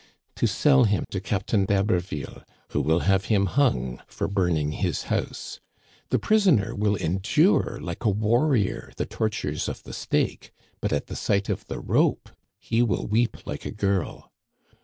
*' To sell him to Captain d'Haberville, who will have him hung for burning his house. The prisoner will endure like a warrior the tortures of the stake, but at sight of the rope he will weep like a girl."